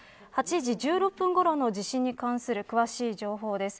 ８時１６分ごろの地震に関する詳しい情報です。